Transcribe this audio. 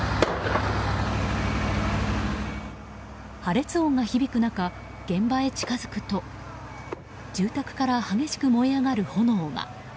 破裂音が響く中、現場へ近づくと住宅から激しく燃え上がる炎が。